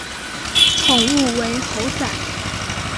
宠物为猴仔。